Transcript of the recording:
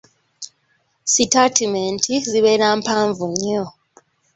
Sitatimenti zibeera mpanvu nnyo.